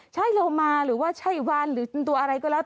ใช่โลมาหรือว่าใช่วานหรือตัวอะไรก็แล้ว